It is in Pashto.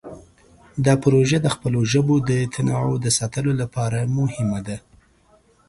دا پروژه د خپلو ژبو د تنوع د ساتلو لپاره مهمه ده.